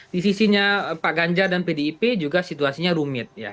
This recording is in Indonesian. di sisinya pak ganjar dan pdip juga situasinya rumit